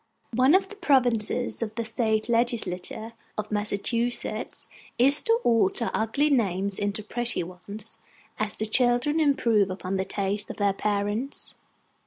One of the provinces of the state legislature of Massachusetts is to alter ugly names into pretty ones, as the children improve upon the tastes of their parents.